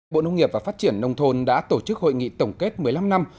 bộ nông nghiệp và phát triển nông thôn đã tổ chức hội nghị tổng kết một mươi năm năm